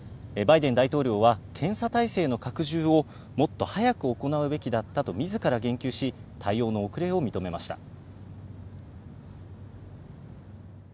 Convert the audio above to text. バイデン大統領は検査態勢の拡充をもっと早く行うべきだったと自ら言及し対応の遅れを認めました。